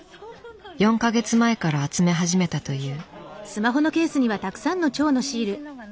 ４か月前から集め始めたという。